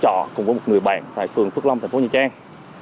trò cùng với một người bạn tại phường phước long thành phố nha trang